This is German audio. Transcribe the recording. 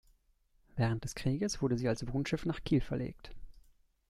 Während des Krieges wurde sie als Wohnschiff nach Kiel verlegt.